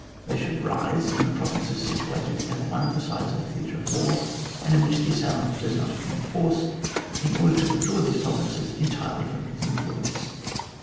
They should rise in the provinces situated at one of the sides of the theatre of war, and in which the assailant does not appear in force, in order to withdraw these provinces entirely from his influence.